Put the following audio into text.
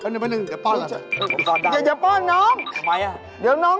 เดี๋ยวเดี๋ยวป้อน